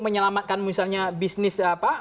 menyelamatkan misalnya bisnis apa